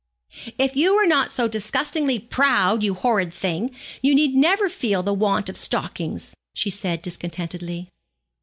'If you were not so disgustingly proud, you horrid thing, you need never feel the want of stockings,' she said discontentedly.